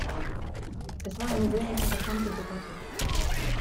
Es war eine sehr interessante Debatte.